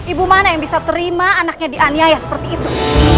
ibu mana yang bisa terima anaknya dianiaya seperti itu